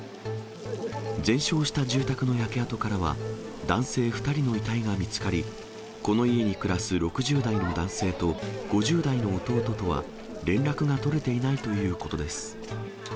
全焼した住宅の焼け跡からは、男性２人の遺体が見つかり、この家に暮らす６０代の男性と、５０代の弟とは連絡が取れていないということです。